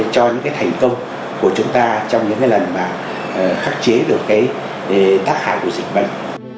cho những cái thành công của chúng ta trong những lần mà khắc chế được cái tác hại của dịch bệnh